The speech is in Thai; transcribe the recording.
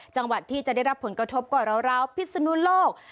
จังหวัดที่จะได้รับผลกระทบกว่าราวพิศนุโลก